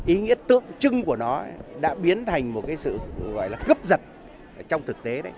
ý nghĩa tượng trưng của nó đã biến thành một sự gấp giật trong thực tế